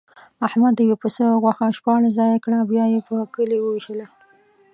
احمد د یوه پسه غوښه شپاړس ځایه کړه، بیا یې په کلي ووېشله.